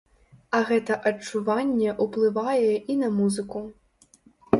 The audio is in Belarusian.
А гэта адчуванне ўплывае і на музыку.